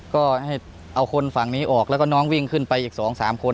ก็ให้เอาคนฝั่งนี้ออกแล้วก็น้องวิ่งขึ้นไปอีก๒๓คน